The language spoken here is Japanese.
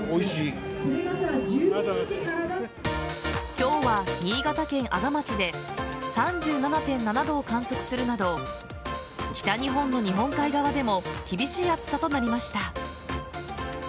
今日は新潟県阿賀町で３７．７度を観測するなど北日本の日本海側でも厳しい暑さとなりました。